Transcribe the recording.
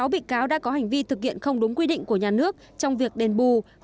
sáu bị cáo đã có hành vi thực hiện không đúng quy định của nhà nước trong việc đền bù